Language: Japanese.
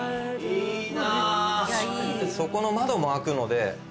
そこの窓も開くので。